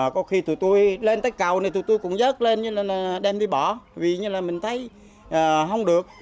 có khi tụi tôi lên tới cầu này tụi tôi cũng dớt lên như là đem đi bỏ vì như là mình thấy không được